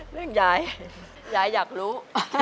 เรื่องยายยายอยากรู้